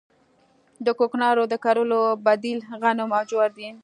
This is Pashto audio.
د کوکنارو د کرلو بدیل غنم او جوار دي